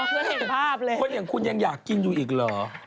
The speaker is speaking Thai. เคยเห็นภาพเลยคนอย่างคุณยังอยากกินอยู่อีกเหรอ